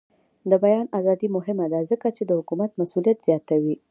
د بیان ازادي مهمه ده ځکه چې د حکومت مسؤلیت زیاتوي.